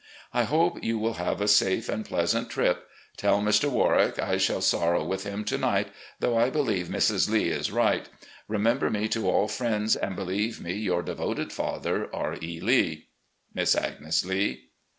I hope you will have a safe and pleasant trip. Tell Mr. Warwick I shall sorrow with him to night — though I believe Mrs. Lee is right. Re member me to all friends, and believe me, "Your devoted father, R. E. Lee. "Miss Agnes Lee."